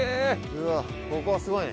うわっここはすごいね。